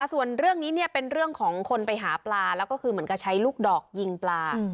ส่วนเรื่องนี้เนี่ยเป็นเรื่องของคนไปหาปลาแล้วก็คือเหมือนกับใช้ลูกดอกยิงปลา